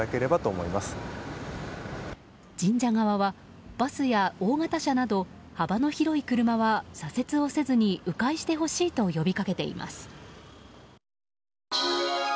神社側はバスや大型車など幅の広い車は左折をせずに迂回してほしいと呼びかけています。